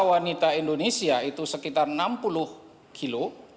wanita indonesia itu sekitar enam puluh kilo